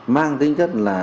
mang tính chất là